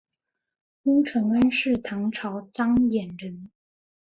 乌承恩是唐朝张掖人。